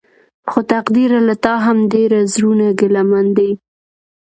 خو تقديره له تا هم ډېر زړونه ګيلمن دي.